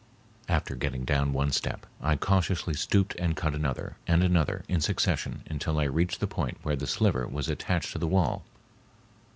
After getting down one step I cautiously stooped and cut another and another in succession until I reached the point where the sliver was attached to the wall.